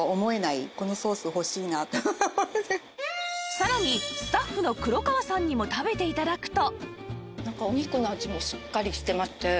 さらにスタッフの黒川さんにも食べて頂くと